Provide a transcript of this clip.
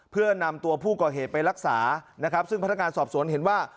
เพื่อนำตัวผู้ก่อเหตุไปรักษาซึ่งพระราชการสอบสวนเห็นว่า